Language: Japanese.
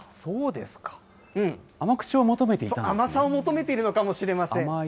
甘さを求めているのかもしれません。